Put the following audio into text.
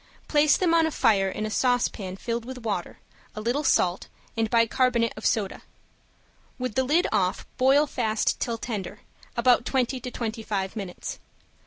Place them on a fire in a saucepan filled with water, a little salt and bicarbonate of soda. With the lid off boil fast till tender; about twenty to twenty five minutes.